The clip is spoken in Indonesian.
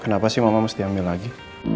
kenapa sih mama mesti ambil lagi